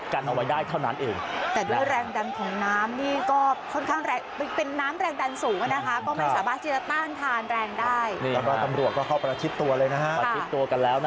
กำลังเอาไว้ได้เท่านั้น